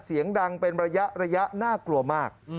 เสียงดังเป็นระยะน่ากลัวมาก